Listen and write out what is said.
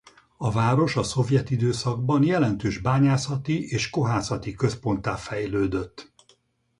A város a szovjet időszakban jelentős bányászati és kohászati központtá fejlődött.